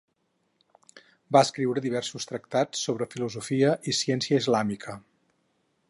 Va escriure diversos tractats sobre filosofia i ciència islàmica.